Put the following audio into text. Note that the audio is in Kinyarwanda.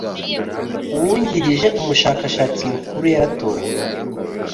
Uwungirije umushakashatsi mukuru yaratowe